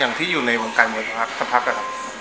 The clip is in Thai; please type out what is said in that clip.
อย่างที่อยู่ในวงกายมวยสรรพักษณ์สรรพักษณ์